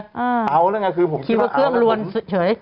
คิดว่าเครื่องรวมเฉย